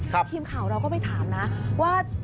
ทีมข่าวเราก็ไปถามนะว่า